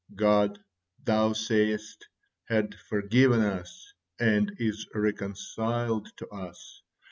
God, thou sayest, had forgiven us, and is reconciled to us.